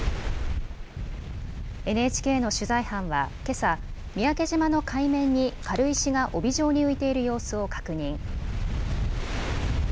ＮＨＫの取材班はけさ、三宅島の海面に軽石が帯状に浮いている様子を確認。